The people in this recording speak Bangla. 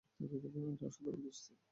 আরে, অসাধারণ দোস্ত।